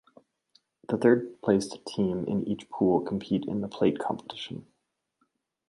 The third placed team in each pool compete in the plate competition.